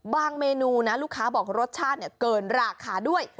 เมนูนะลูกค้าบอกรสชาติเกินราคาด้วย